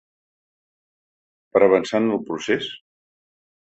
Per avançar en el procés?